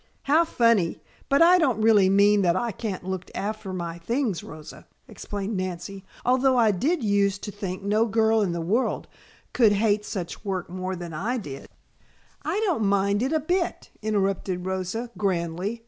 "How funny! But I don't really mean that I can't look after my things, Rosa," explained Nancy, "although I did use to think no girl in the world could hate such work more than I did " "I don't mind it a bit," interrupted Rosa grandly.